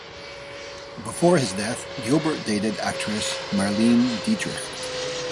Before his death, Gilbert dated actress Marlene Dietrich.